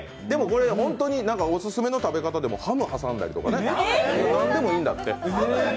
でもこれは本当にオススメの食べ方でもハムを挟んだりとか、何でもいいんだって。